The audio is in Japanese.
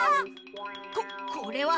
ここれは！